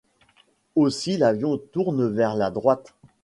Aussi l'avion tourne vers la droite.